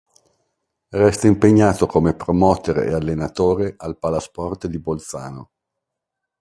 Resta impegnato come promoter ed allenatore al Palasport di Bolzano.